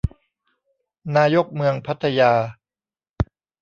นายกเมืองพัทยา